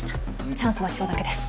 チャンスは今日だけです。